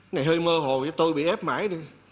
ngày hơi mơ hồ tôi bị ép mãi